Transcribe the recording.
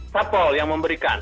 satpol yang memberikan